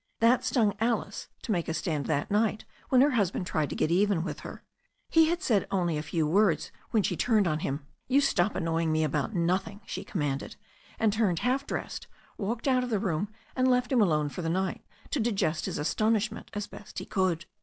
That stung Alice to make a stand that night when her husband tried to get even with her. He had said only a few words when she turned on him. "You stop annoying me about nothing," she commanded, and turning half dressed, she walked out of the room and left him alone for the night, to digest his astonishment as best he could.